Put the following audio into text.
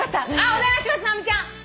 お願いします直美ちゃん！